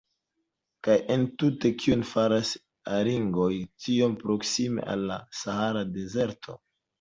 Kaj entute kion faras haringoj tiom proksime al la Sahara dezerto?